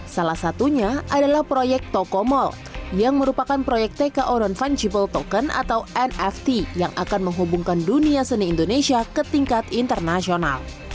salah satunya adalah proyek toko mall yang merupakan proyek tko non fungible token atau nft yang akan menghubungkan dunia seni indonesia ke tingkat internasional